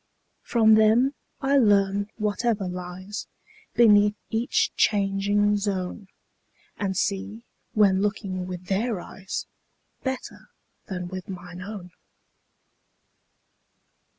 From them I learn whatever lies Beneath each changing zone, And see, when looking with their eyes, 35 Better than with mine own.